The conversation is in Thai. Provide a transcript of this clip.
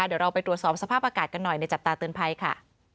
เดี๋ยวเราไปตรวจสอบสภาพอากาศกันหน่อยในจับตาเตือนภัยค่ะ